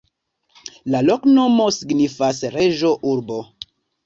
La loknomo signifas: reĝo-urbo.